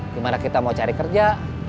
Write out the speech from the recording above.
gimana kita mau cari kerja